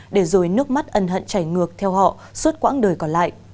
để rồi nước mắt ân hận chảy ngược theo họ suốt quãng đời còn lại